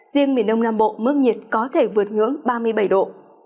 riêng miền đông nam bộ mức nhiệt có thể vượt ngưỡng ba mươi bảy độ